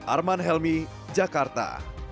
arman helmi jakarta